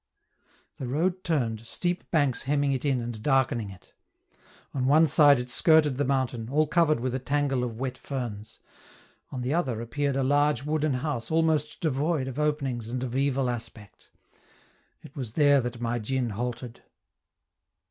The road turned, steep banks hemming it in and darkening it. On one side it skirted the mountain, all covered with a tangle of wet ferns; on the other appeared a large wooden house almost devoid of openings and of evil aspect; it was there that my djin halted.